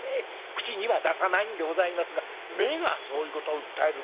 口には出さないんでございますが目がそういうことを訴えるんでございます。